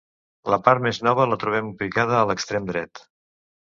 La part més nova la trobem ubicada a l'extrem dret.